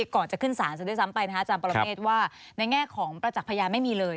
ก่อนจะขึ้นศาลซะด้วยซ้ำไปนะคะอาจารย์ปรเมฆว่าในแง่ของประจักษ์พยานไม่มีเลย